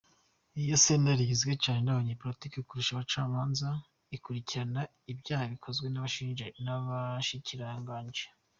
Iyo sentare igizwe cane n'abanyapolitike kurusha abacamanza, ikurikirana ivyaha bikozwe n'abashikiranganji.